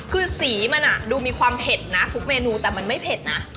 คือสีมันดูมีความเผ็ดนะทุกเมนูแต่มันไม่เผ็ดนะ